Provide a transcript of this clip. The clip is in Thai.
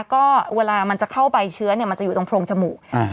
ก็เวลามันจะเข้าไปเชื้อมันจะอยู่ตรงโพรงจมูก